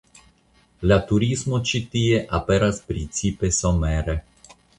La turismo ĉi tie aperas precipe somere.